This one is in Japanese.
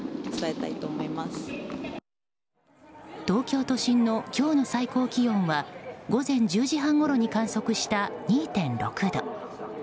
東京都心の今日の最高気温は午前１０時半ごろに観測した２．６度。